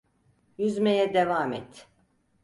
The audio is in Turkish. Yüzmeye devam et.